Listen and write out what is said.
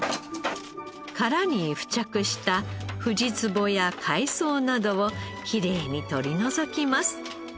殻に付着したフジツボや海藻などをきれいに取り除きます。